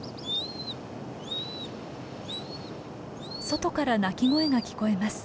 外から鳴き声が聞こえます。